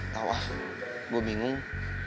tawah gue bingung